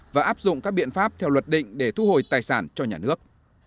và áp dụng các biện pháp theo luật định để thu hồi tài sản cho nhà nước